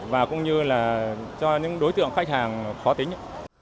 và cũng như là cho những đối tượng khách hàng khó tính